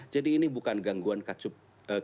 jadi ini bukan gangguan katup jantung